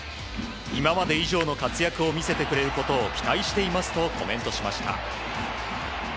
今まで以上の活躍を見せてくれることを期待していますとコメントしました。